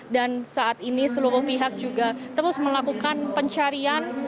dan saat ini seluruh pihak juga terus melakukan pencarian